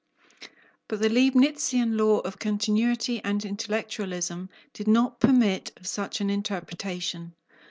But the Leibnitzian law of continuity and intellectualism did not permit of such an interpretation.